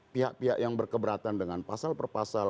pihak pihak yang berkeberatan dengan pasal perpasal